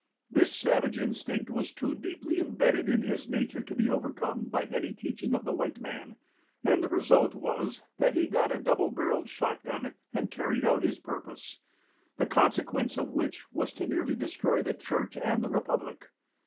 This savage instinct was too deeply imbedded in his nature to be overcome by any teaching of the white man, and the result was that he got a double barreled shotgun and carried out his purpose, the consequence of which was to nearly destroy the church and the republic.